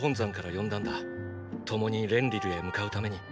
共にレンリルへ向かうために。